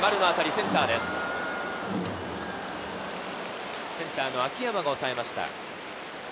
センター・秋山がおさえました。